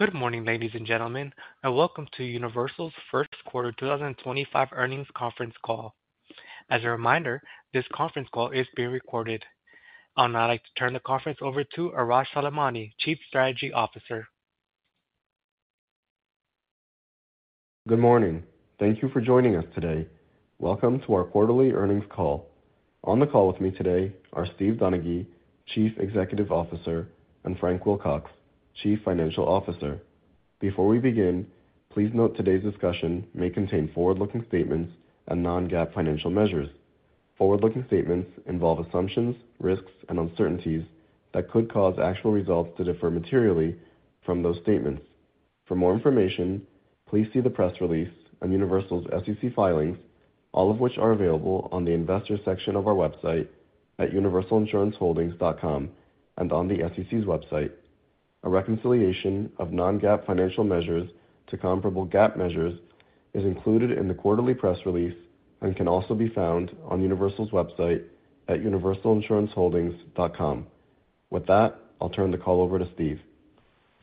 Good morning, ladies and gentlemen, and welcome to Universal's first quarter 2025 earnings conference call. As a reminder, this conference call is being recorded. I'll now like to turn the conference over to Arash Soleimani, Chief Strategy Officer. Good morning. Thank you for joining us today. Welcome to our quarterly earnings call. On the call with me today are Steve Donaghy, Chief Executive Officer, and Frank Wilcox, Chief Financial Officer. Before we begin, please note today's discussion may contain forward-looking statements and non-GAAP financial measures. Forward-looking statements involve assumptions, risks, and uncertainties that could cause actual results to differ materially from those statements. For more information, please see the press release on Universal's SEC filings, all of which are available on the investor section of our website at universalinsuranceholdings.com and on the SEC's website. A reconciliation of non-GAAP financial measures to comparable GAAP measures is included in the quarterly press release and can also be found on Universal's website at universalinsuranceholdings.com. With that, I'll turn the call over to Steve.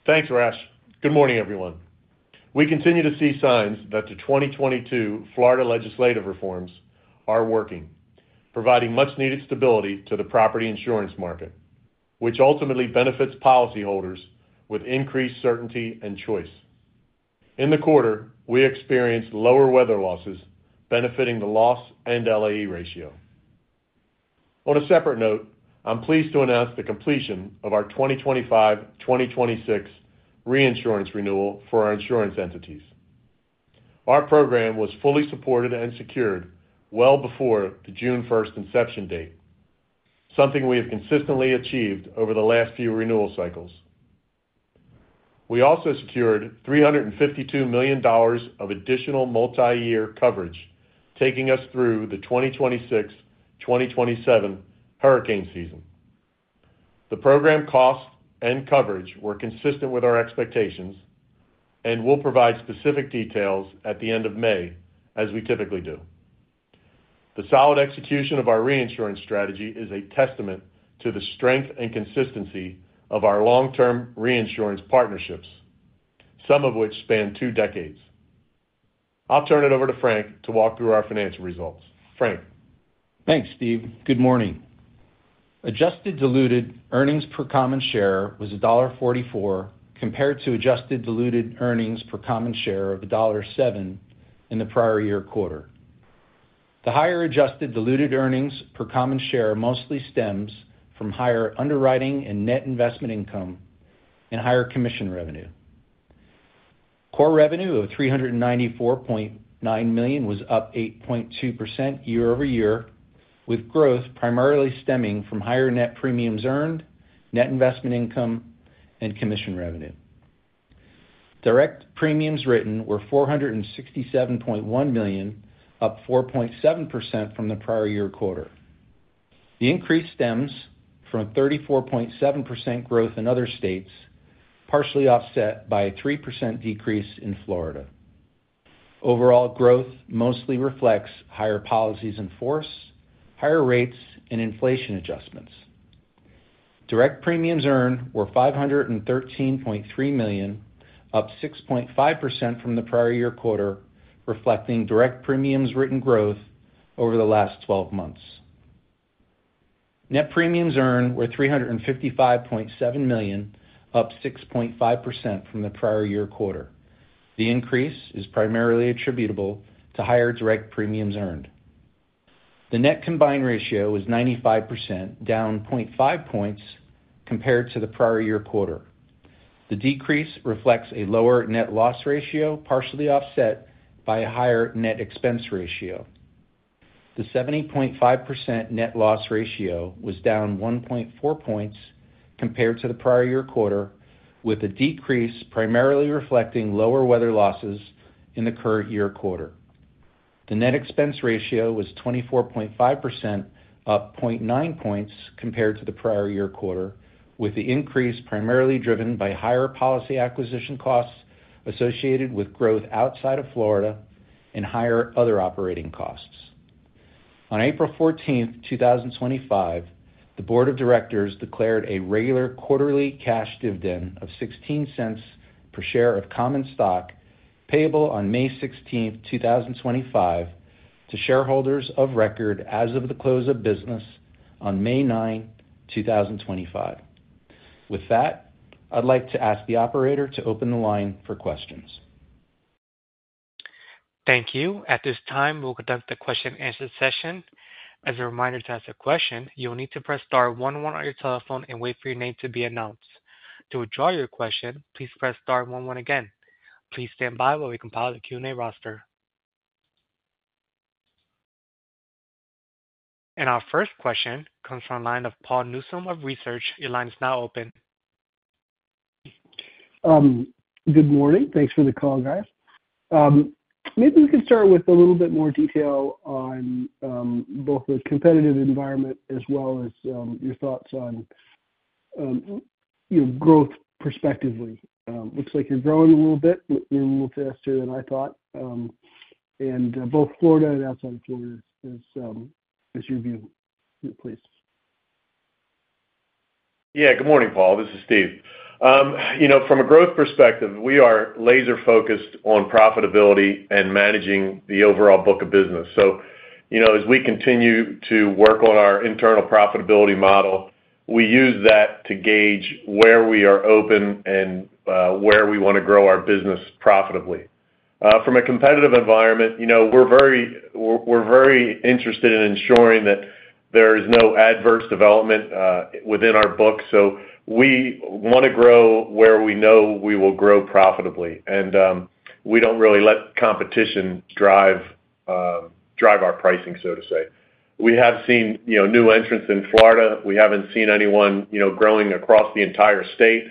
Thanks, Arash. Good morning, everyone. We continue to see signs that the 2022 Florida legislative reforms are working, providing much-needed stability to the property insurance market, which ultimately benefits policyholders with increased certainty and choice. In the quarter, we experienced lower weather losses benefiting the loss and LAE ratio. On a separate note, I'm pleased to announce the completion of our 2025-2026 reinsurance renewal for our insurance entities. Our program was fully supported and secured well before the June 1 inception date, something we have consistently achieved over the last few renewal cycles. We also secured $352 million of additional multi-year coverage, taking us through the 2026-2027 hurricane season. The program cost and coverage were consistent with our expectations and will provide specific details at the end of May, as we typically do. The solid execution of our reinsurance strategy is a testament to the strength and consistency of our long-term reinsurance partnerships, some of which span two decades. I'll turn it over to Frank to walk through our financial results. Frank. Thanks, Steve. Good morning. Adjusted diluted earnings per common share was $1.44 compared to adjusted diluted earnings per common share of $1.07 in the prior year quarter. The higher adjusted diluted earnings per common share mostly stems from higher underwriting and net investment income and higher commission revenue. Core revenue of $394.9 million was up 8.2% year-over-year, with growth primarily stemming from higher net premiums earned, net investment income, and commission revenue. Direct premiums written were $467.1 million, up 4.7% from the prior year quarter. The increase stems from a 34.7% growth in other states, partially offset by a 3% decrease in Florida. Overall growth mostly reflects higher policies in force, higher rates, and inflation adjustments. Direct premiums earned were $513.3 million, up 6.5% from the prior year quarter, reflecting direct premiums written growth over the last 12 months. Net premiums earned were $355.7 million, up 6.5% from the prior year quarter. The increase is primarily attributable to higher direct premiums earned. The net combined ratio was 95%, down 0.5 percentage points compared to the prior year quarter. The decrease reflects a lower net loss ratio, partially offset by a higher net expense ratio. The 70.5% net loss ratio was down 1.4 percentage points compared to the prior year quarter, with a decrease primarily reflecting lower weather losses in the current year quarter. The net expense ratio was 24.5%, up 0.9 percentage points compared to the prior year quarter, with the increase primarily driven by higher policy acquisition costs associated with growth outside of Florida and higher other operating costs. On April 14th, 2025, the Board of Directors declared a regular quarterly cash dividend of $0.16 per share of common stock, payable on May 16th, 2025, to shareholders of record as of the close of business on May 9th, 2025. With that, I'd like to ask the operator to open the line for questions. Thank you. At this time, we'll conduct the question-and-answer session. As a reminder to ask a question, you'll need to press star 11 on your telephone and wait for your name to be announced. To withdraw your question, please press star 11 again. Please stand by while we compile the Q&A roster. Our first question comes from a line of Paul Newsom of Research. Your line is now open. Good morning. Thanks for the call, guys. Maybe we can start with a little bit more detail on both the competitive environment as well as your thoughts on growth perspectively. Looks like you're growing a little bit, but you're a little faster than I thought. In both Florida and outside of Florida is your view. Please. Yeah. Good morning, Paul. This is Steve. From a growth perspective, we are laser-focused on profitability and managing the overall book of business. As we continue to work on our internal profitability model, we use that to gauge where we are open and where we want to grow our business profitably. From a competitive environment, we're very interested in ensuring that there is no adverse development within our book. We want to grow where we know we will grow profitably. We don't really let competition drive our pricing, so to say. We have seen new entrants in Florida. We haven't seen anyone growing across the entire state.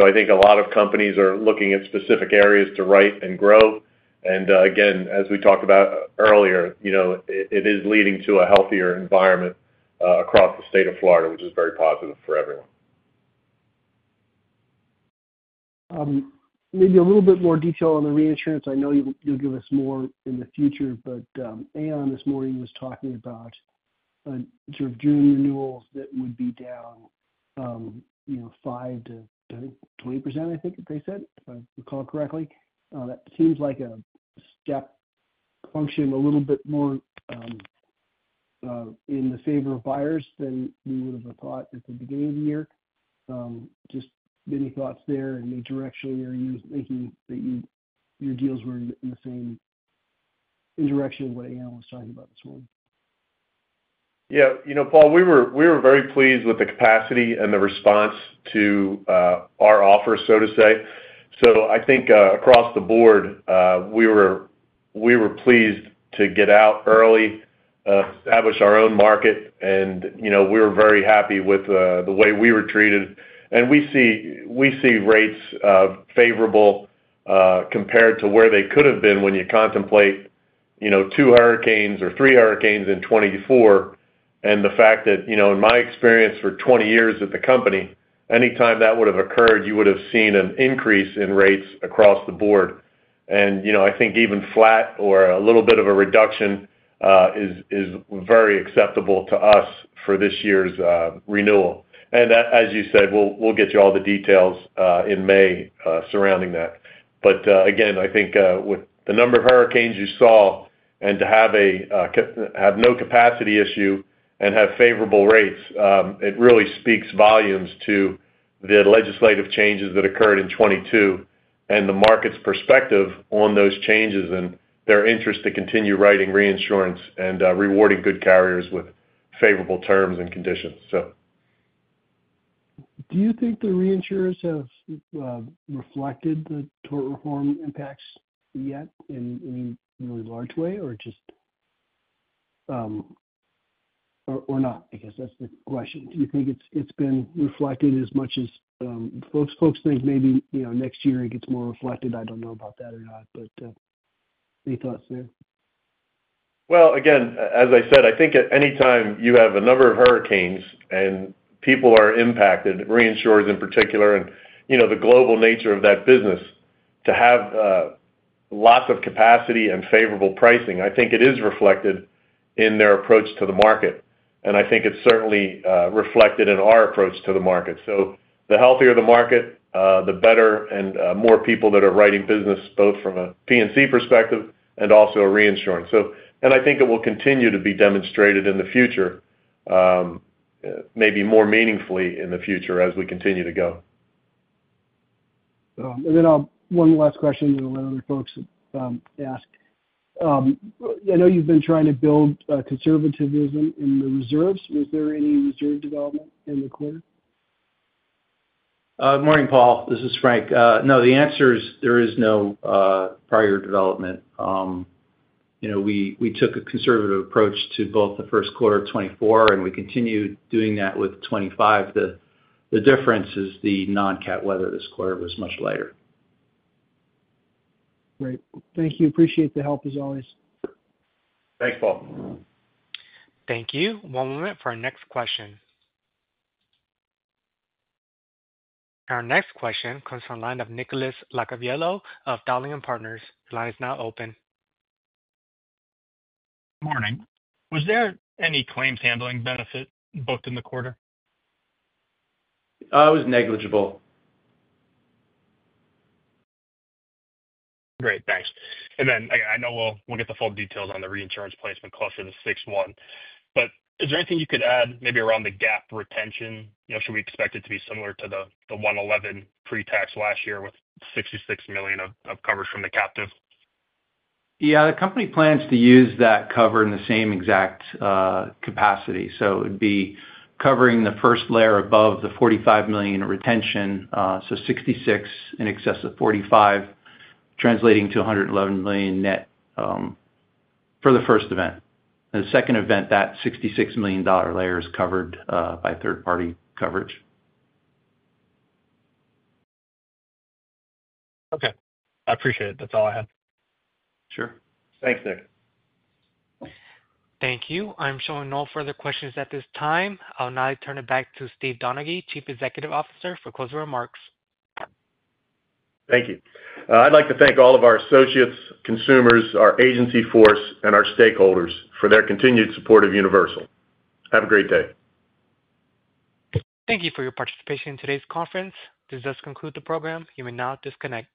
I think a lot of companies are looking at specific areas to write and grow. As we talked about earlier, it is leading to a healthier environment across the state of Florida, which is very positive for everyone. Maybe a little bit more detail on the reinsurance. I know you'll give us more in the future, but Aon this morning was talking about sort of June renewals that would be down 5%-20%, I think they said, if I recall correctly. That seems like a step function a little bit more in the favor of buyers than we would have thought at the beginning of the year. Just any thoughts there and any direction you're making that your deals were in the same direction of what Aon was talking about this morning? Yeah. You know, Paul, we were very pleased with the capacity and the response to our offer, so to say. I think across the board, we were pleased to get out early, establish our own market, and we were very happy with the way we were treated. We see rates favorable compared to where they could have been when you contemplate two hurricanes or three hurricanes in 2024. The fact that, in my experience for 20 years at the company, anytime that would have occurred, you would have seen an increase in rates across the board. I think even flat or a little bit of a reduction is very acceptable to us for this year's renewal. As you said, we'll get you all the details in May surrounding that. I think with the number of hurricanes you saw and to have no capacity issue and have favorable rates, it really speaks volumes to the legislative changes that occurred in 2022 and the market's perspective on those changes and their interest to continue writing reinsurance and rewarding good carriers with favorable terms and conditions. Do you think the reinsurers have reflected the tort reform impacts yet in any really large way or just or not? I guess that's the question. Do you think it's been reflected as much as folks think maybe next year it gets more reflected? I don't know about that or not, but any thoughts there? As I said, I think at any time you have a number of hurricanes and people are impacted, reinsurers in particular, and the global nature of that business, to have lots of capacity and favorable pricing, I think it is reflected in their approach to the market. I think it is certainly reflected in our approach to the market. The healthier the market, the better and more people that are writing business, both from a P&C perspective and also reinsurance. I think it will continue to be demonstrated in the future, maybe more meaningfully in the future as we continue to go. One last question that a lot of other folks ask. I know you've been trying to build conservatism in the reserves. Was there any reserve development in the quarter? Good morning, Paul. This is Frank. No, the answer is there is no prior development. We took a conservative approach to both the first quarter of 2024, and we continue doing that with 2025. The difference is the non-GAAP weather this quarter was much lighter. Great. Thank you. Appreciate the help, as always. Thanks, Paul. Thank you. One moment for our next question. Our next question comes from the line of Nicolas Iacoviello of Dowling & Partners. The line is now open. Good morning. Was there any claims handling benefit booked in the quarter? It was negligible. Great. Thanks. I know we'll get the full details on the reinsurance placement closer to 6/1. Is there anything you could add maybe around the GAAP retention? Should we expect it to be similar to the $111 million pre-tax last year with $66 million of coverage from the captive? Yeah. The company plans to use that cover in the same exact capacity. It would be covering the first layer above the $45 million retention, so $66 million in excess of $45 million, translating to $111 million net for the first event. In the second event, that $66 million layer is covered by third-party coverage. Okay. I appreciate it. That's all I had. Sure. Thanks, Nick. Thank you. I'm showing no further questions at this time. I'll now turn it back to Steve Donaghy, Chief Executive Officer, for closing remarks. Thank you. I'd like to thank all of our associates, consumers, our agency force, and our stakeholders for their continued support of Universal. Have a great day. Thank you for your participation in today's conference. This does conclude the program. You may now disconnect.